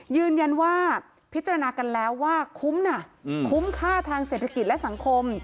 ยืนยันว่าพิจารณากันแล้วว่าคุ้มนะคุ้มค่าทางเศรษฐกิจและสังคม